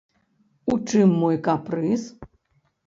У чым мой капрыз?